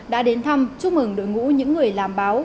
đã đến thăm chúc mừng đội ngũ những người làm báo